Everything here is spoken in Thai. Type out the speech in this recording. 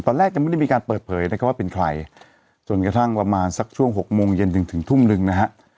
ยังไม่ได้มีการเปิดเผยนะครับว่าเป็นใครจนกระทั่งประมาณสักช่วงหกโมงเย็นจนถึงทุ่มหนึ่งนะฮะ